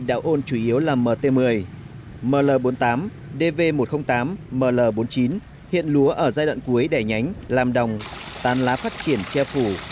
đạo ôn chủ yếu là mt một mươi ml bốn mươi tám dv một trăm linh tám ml bốn mươi chín hiện lúa ở giai đoạn cuối đẻ nhánh làm đồng tan lá phát triển che phủ